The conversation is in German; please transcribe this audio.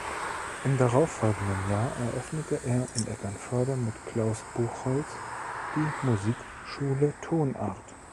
Im darauf folgenden Jahr eröffnete er in Eckernförde mit Claus Buchholz die "Musikschule Tonart".